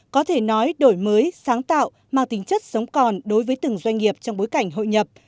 có thể nói đổi mới sáng tạo mang tính chất sống còn đối với từng doanh nghiệp trong bối cảnh hội nhập